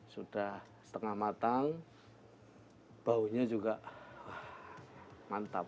sudah setengah matang baunya juga mantap